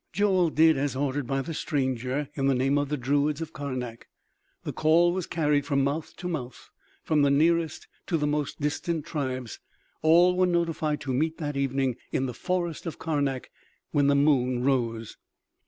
Joel did as ordered by the stranger in the name of the druids of Karnak. The call was carried from mouth to mouth, from the nearest to the most distant tribes; all were notified to meet that evening in the forest of Karnak when the moon rose.